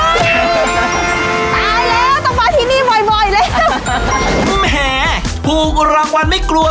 ตายแล้วต้องมาที่นี่บ่อยบ่อยแล้วแหมถูกรางวัลไม่กลัว